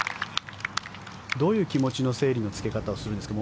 どういう気持ちの整理のつけ方をするんですか？